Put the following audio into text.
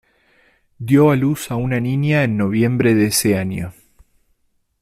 Dio a luz a una niña en noviembre de ese año.